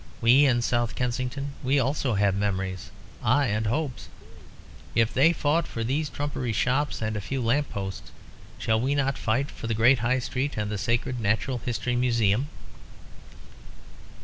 We in South Kensington, we also have memories ay, and hopes. If they fought for these trumpery shops and a few lamp posts, shall we not fight for the great High Street and the sacred Natural History Museum?"